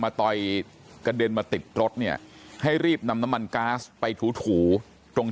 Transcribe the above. ต่อยกระเด็นมาติดรถเนี่ยให้รีบนำน้ำมันก๊าซไปถูถูตรง